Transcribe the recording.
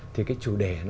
thì cái chủ đề nó